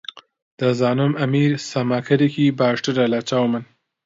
دەزانم ئەمیر سەماکەرێکی باشترە لەچاو من.